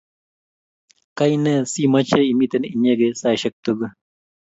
kaine simache imiten inyegei saishek tugul?